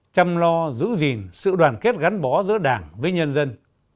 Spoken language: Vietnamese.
chăm lo giữ gìn sự đoàn kết gắn bó giữa đảng với nhân dân